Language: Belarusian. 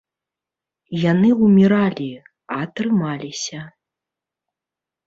Яны ўміралі, а трымаліся.